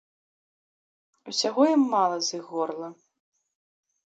Усяго ім мала з іх горла.